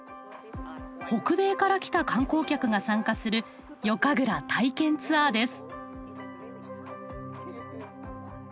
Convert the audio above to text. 北米から来た観光客が参加する夜神楽体験ツアーです。